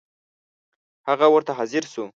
هغه ورته حاضر شو.